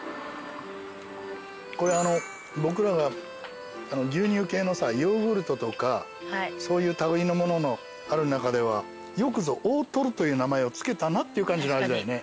これ僕らが牛乳系のヨーグルトとかそういう類いのもののある中ではよくぞ大とろという名前を付けたなっていう感じの味だよね。